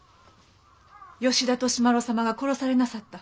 吉田稔麿様が殺されなさった。